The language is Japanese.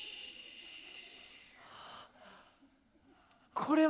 これは？